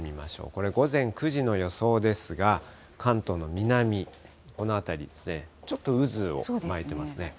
これ、午前９時の予想ですが、関東の南、この辺りですね、ちょっと渦を巻いてますね。